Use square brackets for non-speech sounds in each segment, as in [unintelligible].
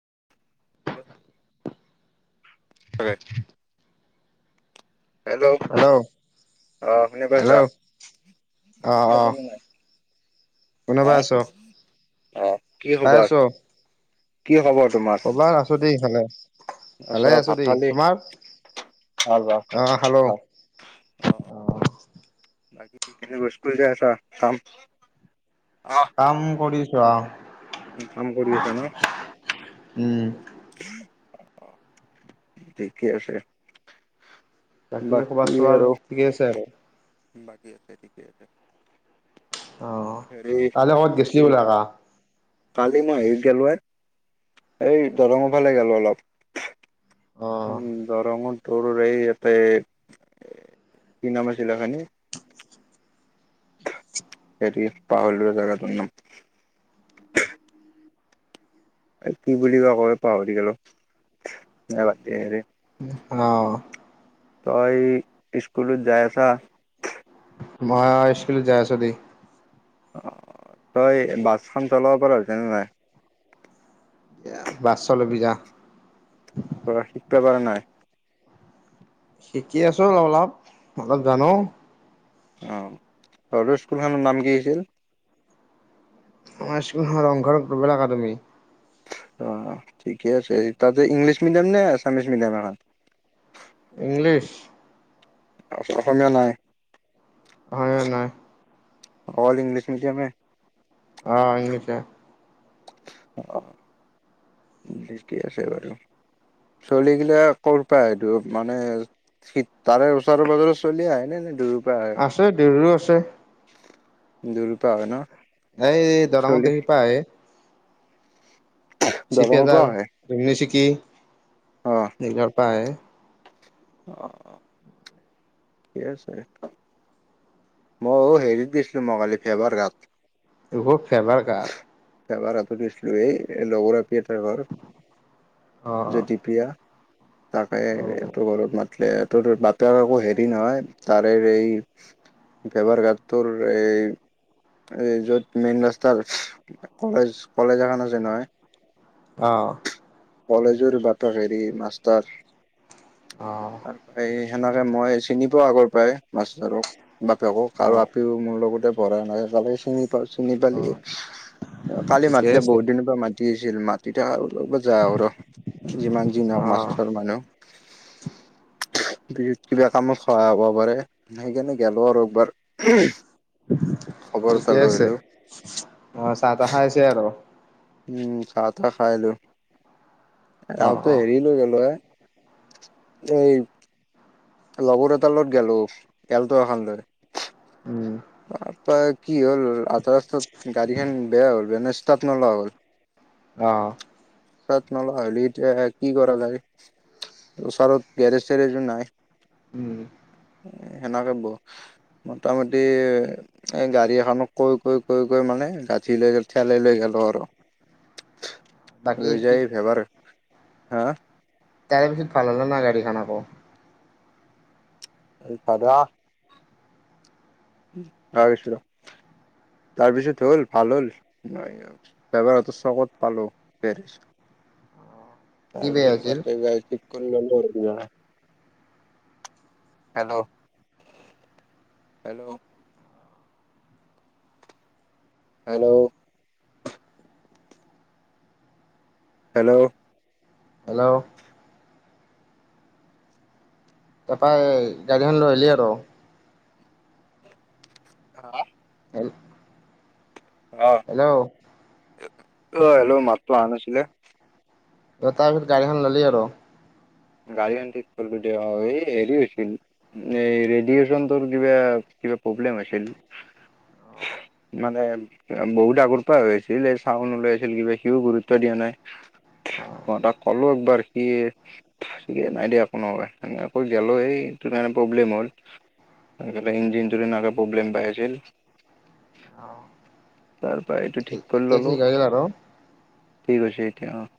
[inaudible] [unintelligible] Hello অহ, শুনি পাইছা? হেল্ল' অ অ [unintelligible] নে নাই? শুনা পাই আছোঁ। অ'। কি পাই খবৰ আছোঁ, কি খবৰ তোমাৰ? ক'বাত আছোঁ দে ইফালে। ভালে আচ্ছা আছোঁ ভাত দেই, খালি? তোমাৰ? ভাল ভাল অহ, খালোঁ। ভাল অ বাকী তেনে স্কুল যায় আছা, কাম আহ কাম কৰিছ অ'। কাম কৰিয় আছা ন? উম ঠিকেই আছে। বাকী খবৰ চবৰ ঠিকেই আছে আৰু? ঠিকে আছে, ঠিকে আছে। অ' হেৰি কাইলে কবাত গেইছলি বলে আকা? কালি মই হেৰিত গেলোয়ে এই দৰঙৰ ফালে গলো অলপ। অ উম দয়ঙত তৰু এই ইয়াতে কি নাম আছিলা এইখনি হেৰি পাহৰিলোঁ জাগাটোৰ নাম। এই কি বুলি কৈ পাহৰি গ'লো আকৌ পাহৰি গলো বাদিয় আহ। তই স্কুলোত যাই আছা? মই স্কুলত যাই আছো দেই। অ' তই বাছখন চলাব পৰাৰ হৈছানে নাই? এ বাছ চলাবি যা। শিকিব পৰা নাই? শিকি আছো অলপ-অলপ, অলপ জানো। অ' তহতৰ স্কুলখনৰ নাম কি আছিল? অ' ৰংঘৰ গ্লোবেল একাডমি। অ' ঠিকেই আছে। তাতে ইংলিছ মিডিয়াম নে, আছামিছ মিডিয়াম এইখন? ইংলিছ অসমীয়া নাই। ভাঙা নাই। অল ইংলিছ মিডিয়ামে অ' ইংলিছে অ' ঠিকেই আছে বাৰু, চলি গিলা ক'ৰ পৰা মানে তাৰে ওচৰে পাজৰে চলি আহে ন-ন দূ আছে, দুৰৰো আছে। দুই ৰূপা হয় ন এই দৰাঙত চলি দেখি পা এই শিপিয়ে দৰঙৰ পৰা যাল আহে [unintelligible] কি অ নেগাৰ পায়। অ। কে আছে। মইও হেৰিত গিছিলো মই কালি ফেভাৰ ঘাট। ইভুৰ ফেবাৰ গাত এবাৰ [unintelligible] লগৰ প্ৰিয় তৰ ঘৰ যদি প্ৰিয়া তাকাইটো গৰত মাতলেত তোৰ বাপেৰেকো হেৰি নহয়, তাৰে এই [unintelligible] এই য'ত মেইন ৰাত তাৰ কলেজ কলেজ এখন আছে নহয়। অ। কলেজৰ বাটৰ হেৰি মাষ্টাৰ। তাৰপাই সেনেকে মই চিনি পাওঁ আগৰ পৰাই মাষ্টৰক। বাপেকক আৰু আপিও মোৰ লগতে পঢ়া নহয় একা লাগে চিনি তই চিনি পালি, কালি ঠিকে মাতিলেক আছে বহুত দিনৰ পৰা মাতি আছিল মাত এতিয়া আহা হ'ল আৰু যাওঁ ৰহ যিমান যি অ নহওঁক মাছটো মানু ভিৰিট কিবা কামত সহায় হ'ব পাৰে। সেইকাৰণে গেলো আৰু একবাৰ। খবৰ এটা ঠিকে লৈ আছে। আহিলো অ' চাহ তাহ খাই আহিছে আৰু উম, চাহ তাহ খাই আহিলোঁ। অ যাওঁতে অ হেৰি লৈ গ'লো ঐ গাড়ীত লগৰ এটা লগত গেলো এলতো এখন লৈয়। উম আহ তই কি হ'ল আধা ৰাস্তাত গাড়ীখন বেয়া হ'ল ব্ৰেইনেছ ষ্টাৰ্ট নোলোৱা হ'ল অহ' ষ্টাৰ্ট নোলোৱা হলি এতিয়া কি কৰা যায়। ওচৰত গেৰেজ চেৰেজো নাই। উম। সেইনেকা বহুত মোটামুটি। এ গাড়ী এখান কৈ কৈ কৈ কৈ মানে গাঁঠি লৈ ঠেলে লৈ গ'লোঁ আৰু। বাকী লৈ যায় ভেবাৰ হা। তাৰে পিছত ভাল হ'ল না নাই গাড়ীখান আকৌ? [unintelligible] আহিছো ৰ। তাৰপিছত হ'ল ভাল হ'ল, ভেবেৰাঘাতৰ চকত পালো গেৰেজ। কি বেয়া তাৰপিছত হৈছিল তাতে গড়ী ঠিক [unintelligible] hello, hello. Hello? Hello? Hello? তাৰপাই গাড়ীখন লৈ আহিলি আৰু। [unintelligible] হ'ল। হেল্লো'? অহ হেল্ল' মাততো আহা নাছিলে? দ তাৰ পিছত গাড়ীখন ল'লি আৰু গাড়ীখন ঠিক কৰিলো দেয় অ এই হেৰি হৈছিল, এই ৰেডয়েচনটোৰ কিবা কিবা প্ৰব্লেম হৈছিল মানে বহুত আগৰ পৰা হৈ আছিল, এই চাউণ্ড ওলাই আছিল কিবা সিওঁ গুৰুত্ব দিয়া নাই মই তাক ক'লো একবাৰ সে [unintelligible] ঠিকে নাই দিয়া কোনোবাই আকৌ গেলো এই ইটো প্ৰব্লেম হ'ল সে ইঞ্জিনটো তেনেকে প্ৰব্লেম পাই আছিল। তাৰ পৰা এইটো ঠিক কৰি এতিয়া ললো ঠিক হৈ গিলা ন? ঠিক হৈছে এতিয়া অ'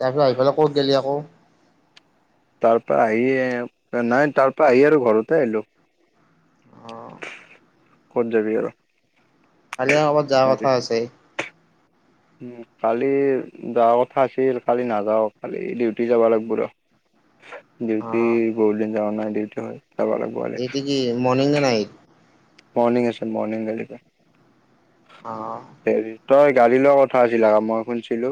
তাৰ পিছত আহি পেলাই ক'ত গেলি আকৌ? তাৰ পৰা আহি নাই তাৰ পৰা আহি আৰু ঘৰতে আহিলো। অ' ক'ত যাবি আৰু? কালি আকৈ যাৰ কথা আছে [inaudible] উ কালি যাওঁৱা কথা আছিল কালি নাযাওঁ কালি ডিউটি যাব লাগিব ৰ। ডিউটি অ', বহুত দিন যাওনা নাই দে তই যাব লাগব আজি এইটো কি মৰ্ণিং নে নাইট? মৰ্নিং আছে, মৰ্নিং গেলেকে। অহ। তই গাড়ী লোৱা কথা আছিল হা মই শুনছিলো।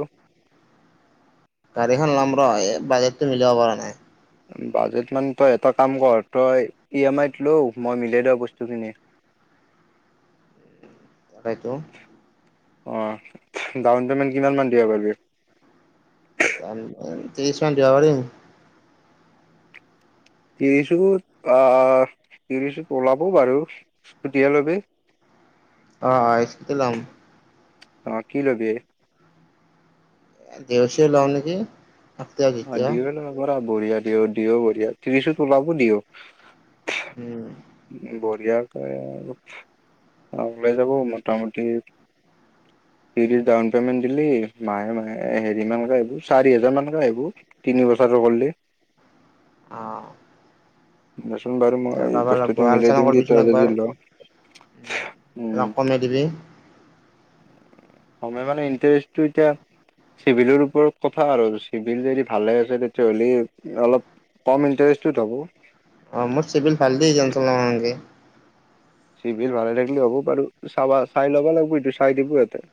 গাড়ীখন লম ৰ' বাজেটটো মিলাব পাৰা নাই। বাজেট মানে তই এটা কাম কৰ তই ই এম আইত ল' মই মিলে দেও বস্তুখিনি। সেইটো। অহ, ডাউন পেমেণ্ট কিমান মান দিয়া পাৰবি? ত্ৰিছ মান দিবা পাৰিম। ত্ৰিছটোত আহ ত্ৰিছোত ওলাব বাৰু স্কুটিয় ল'বি। অ অ স্কুটি ল'ম। অ কি লবি। [inaudible] দেওচি লওঁ নেকি। [inaudible] অ চেক্টিভা দিও লব পাৰা। বঢ়িয়া দিওঁ দিও বঢ়িয়া ত্ৰিশত ওলাব দিওঁ। উম। বঢ়িয়াকৈ ওলাই যাব মোটামুটি ত্ৰিশ ডাউন পেমেণ্ট দিলি মাহে মাহে হেৰি মানকে আহিব চাৰি হোজাৰ মানকে আহিব তিনি বছৰ কৰিলে। অহ। নি। বাৰু মই বস্তুটো মিলাই আলোচনা দিম দে কৰিবিচোন তই একবাৰ। যদি লওঁ। উম। অলপ কমাই দিবি কমাই মানে ইণ্টাৰেষ্ট এতিয়া চিভিলৰ ওপৰত কথা আৰু চিভিল যদি ভালে আছে তেতিয়াহ'লে অলপ কম ইণ্টাৰেষ্টত হ'ব। অ মোৰ চিভিল ভালদেই টেনচন লবা নালাগে। চিভিল ভালে থাকিলে হ'ব বাৰু চাবা চাই ল'ব লাগিব এইটো চাই দিব ইয়াতে।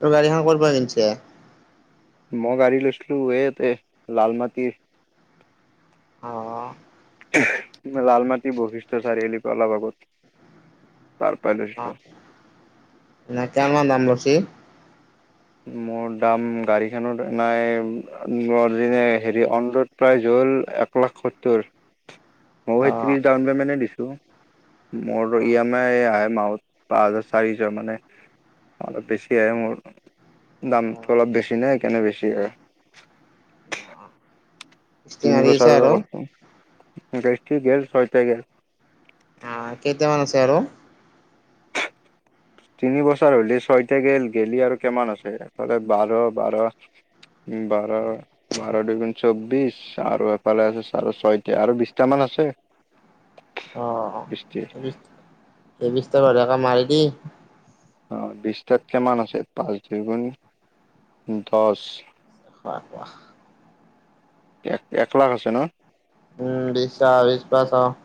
তই গাড়ীখন কৰ পৰা কিনছা? মই গাড়ী লৈছিলো এয়াতে, লাল মাটিৰ। অ'। লালমাটি বৈশিষ্ট চাৰিআলিপা অলপ আগত। পাৰ পাই অ। লৈছিলো [unintelligible] মোৰ দাম গাড়ীখনত নাই মোৰ দিনে হেৰি অনলোড প্ৰাইজ হ'ল এক লাখ সত্তৰ। ময়ো তিনি অ', ডাউন পেমেণ্টে দিছো। মোৰ ই অ', এম আই আহে মাহত পাছ হাজাৰ চাৰিশ মানে অলপ বেছি আহে মোৰ। দামটো অ', অলপ বেছি নে সেইকাৰণে বেছি হয়। কিস্তি মাৰি আছা আৰু? [inaudible] অ' কেইটামান আছে আৰু? তিনি বছৰ হলেই, ছয়তে গেল, গেলি আৰু কিমান আছে এফালে বাৰ বাৰ বাৰ বাৰ দুগুণ চৌ বিছ, আৰু এফালে আছে চাৰে ছয়। অ' বিশত্ৰিশ [unintelligible] [inaudible] অ' বিশটাত কিমান আছে? পাঁচ দুইগুণ দহ। সাত লাখ। এক এক লাখ আছে ন? উম, [unintelligible]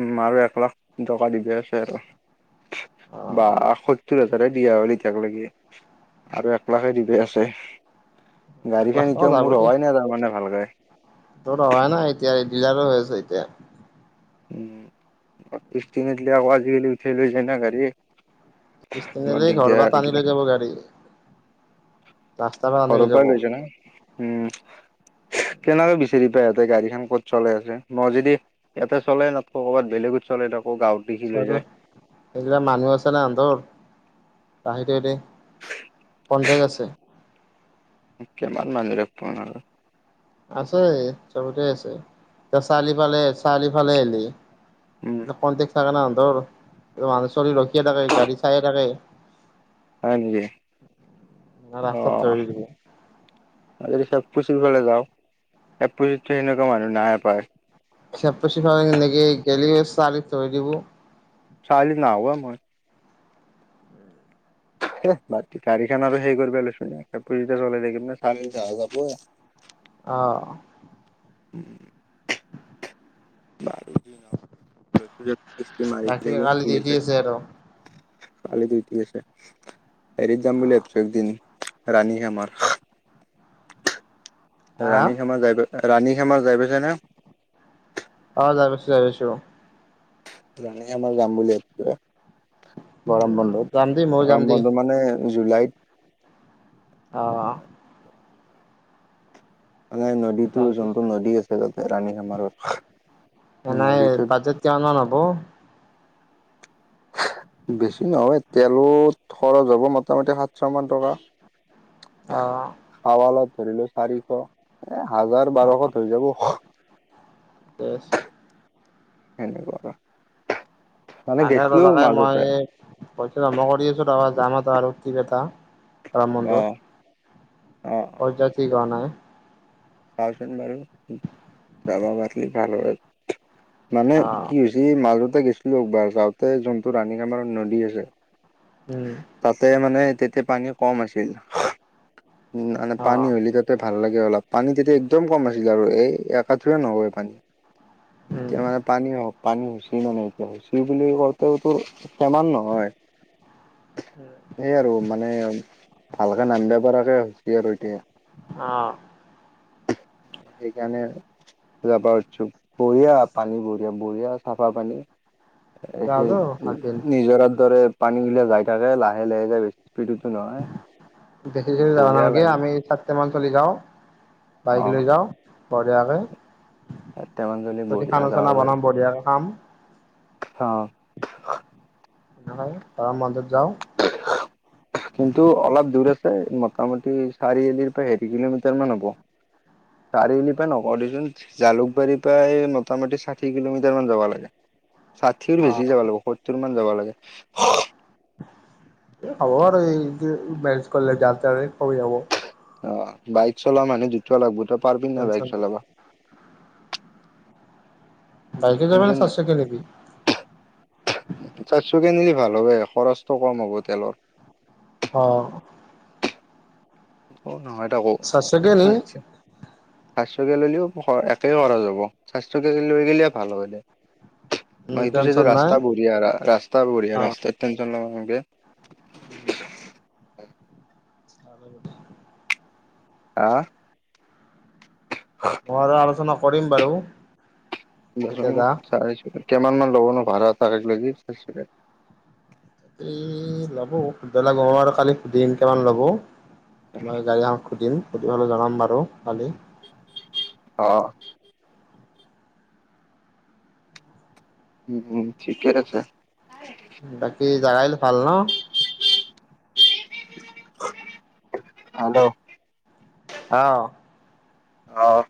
উম আৰু এক লাখ টকা দিবা আছে আৰু। অ বা আ, [unintelligible] হাজাৰ দিয়া হ'লে এতিয়াক লেকে আৰু এক লাখে দিবা আছে। এক গাড়ী লাখ খান টকা এতিয়াও যাব মোৰ দেই হোৱাই নাই তাৰমানে ভালকৈ। তোৰ হোৱা নাই এতিয়া, ডিলাৰৰ হৈ আছে এতিয়া। উম, কিস্তি নেদিলি আকৌ আজি-কালি উঠাই লৈ যায় না গাড়ী। কিস্তি বৰ নেদিলি ঘৰ পা দিগদাৰ টানি এইগিলা লৈ যাব গাড়ী। ৰাস্তাৰ পৰা টানি লৈ ঘৰৰ পৰাই যাব লৈছা না। উম তেনেহলে বেছি চিনি পাই ইহতে গাড়ী খান ক'ত চলাই আছে। মই যদি ইয়াতে চলাই নাথাকো, কৰ'বাত বেলেগত চলাই থাকো গাঁৱত দেখি চাই লৈ ল যায় সেইগিলা মানুহ আছে না হেন্তৰ। [inaudible] কন্টেক আছে। কিমান মানুহৰ ফোন আৰু। আছে, চবতে আছে। চাৰলিফালে-চাৰিফালে আহিলি। উম কণ্টেক [unintelligible] হঁতৰ মানুহ চলি ৰখিয়ে থাকে গাড়ী চাইে থাকে। হয় নেকি অ ৰাস্তাত ধৰি দিব আজিকালি ছব। পশ্চিম ফালে যাওঁ এ পুলিচটো সেনেকুৱা মানুহ নাই পায়। [unintelligible] গেলি চাৰি ধৰি দিব। চালি নাহো এ মই। বাকী গাড়ীখান আৰু হেইকৰিবা লৈছ না চলাই। [unintelligible] অহ। উম। [unintelligible] লৈ পেলাই কিস্তি মাৰি বাকী থৈ গ'ল কালি ঠিক ডিউটি আছে। আৰু কালি দিউটি আছে। হেৰিত যাম বুলি ভাবিছোঁ একদিন। ৰাণীখামাৰ। হা ৰাণীখামাৰ যাই পাই। ৰাণীখমাৰ যাই পাইছা নাহ। অ যাই পাইছোঁ যাই পাইছোঁ। ৰাণীখামাৰ যাম বুলি ভাবিছোঁ ৰহ। গৰম বন্ধত পাইছো যাম দেই ময়ো যাম গৰম দেই বন্ধ মানে। জুলাইত। অহ। মানে নদীটো যাম দে যোনটো নদী আছে তাতে ৰাণীখামাৰৰ এনেই নদীটোত। বাজেট কিমান মান হ'ব বেছি নহয় তেলত খৰচ হ'ব মোটামুটি সাতশ মান টকা। অ। ধৰিলোঁ চাৰিশ। এ হাজাৰ বাৰশত হৈ যাব। দে। তেনেকুৱাত। ভালে হব‌ তাকে মই পইচা জমা কৰি আছো তাৰপৰা যাম আৰু কি এটা ৰাম অ মন্দিৰ। অ জা ঠিক হোৱা নাই। চাওচোন বাৰু। জামা বাতলি ভাল হয় মানে অ কি হৈছে এই মাজতে গৈছিল লগবাৰ যাওঁতে যোনটো ৰাণী কামাৰত নদী আছে উম তাতে মানে তেতিয়া পানী কম আছিল উ মানে অ পানী হ'লি তাতে ভাল লাগে অলপ পানী তেতিয়া একদম কম আছিলে আৰু এই এককাঠো নহব পানী উম এতিয়া মানে পানী হওক পানী হুচি নানে এতিয়া হুচি বুলি কওঁতেওতো সমান নহয় এই আৰু মানে ভালকে নামিব পৰাকে হৈছে [unintelligible] অঁ সেইকাৰণে যাবা উছু বঢ়িয়া পানী বঢ়িয়া বঢ়িয়া চাফা পানী যাওঁ সেই যাওঁ ভালকে নিজৰাৰ দৰে পানী গিলা যাই থাকে লাহে লাহে যায় বেছি স্পীডতো নহয় দেখি দেছি যাবা বঢ়িয়া নালকি লাগে আমি চাতটে মান চলি যাওঁ বাইক লৈ অ' যাওঁ। বৰিয়াকে। এটামান যদি বঢ়িয়া খানা যাব চানা পাৰি বনাম বঢ়িয়াকে খাম। অ নহয় গৰম বন্ধ কিন্তু অলপ দূৰ মোটামুটি চাৰিআলিৰ পৰা হেৰি কিলোমিটাৰ মান হ'ব, চাৰিআলিৰ পৰা নক দেচোন জালুকবাৰীৰ পৰাই মোটামুটি ষাঠি কিলোমিটাৰ মান যাব লাগে। ষাঠিৰ বেছি অ', যাব লাগিব সত্তৰ মান যাব লাগে। হব আৰু এই যে মেজ কৰিলে [unintelligible] সবেই যাব। অ বাইক চলা মানু দুটা লাগব। তই পাৰবি ন বাইক টেনচন নাই চলাব? বাইকে যাবা না চাৰ চকিয়া যাবি? চাৰিচুকীয়া নিলি ভাল হলে খৰচটো কম হ'ব তেলৰ। অ। অঁ। নহয় তাকো চাৰ চকীয়া নিম [inaudible] কিয়া ললেও খৰ একেই কৰা যাব, চাৰ চকীয়া লৈ গলে ভাল হয় দে। অঁ সেইটো টেনচন চাইডৰ নাই ৰাস্তা বঢ়িয়া ৰাস্তা বঢ়িয়া অ', ৰাস্তাত টেনচন লব নালগে। [inaudible] আহ? মই আৰু আলোচনা কৰিম বাৰু। বজৰং কেতিয়া যা চাৰে ছয় তাত। কিমান মান লবনো ভাড়া তাৰেক লাগি? ই ল'ব [unintelligible] মান ল'ব। মানে গাড়ী এখন সুধিম। সুধি হলে জনাম বাৰু কালি। অঁহ। উম উম ঠিকে আছে। বাকি জাগা গিলা ভাল ন? হল আহ আহ